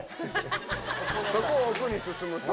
そこを奥に進むと。